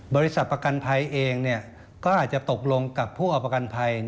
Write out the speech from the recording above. บริษัทประกันภัยเองก็อาจจะตกลงกับผู้เอาประกันภัย